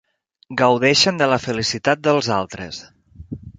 Gaudeixen de la felicitat dels altres.